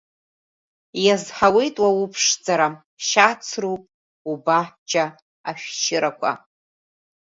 Иазҳауеит уа уԥшӡара, шьацроуп убаҳча ашәшьырақәа.